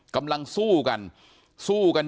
กำลังสู้กัน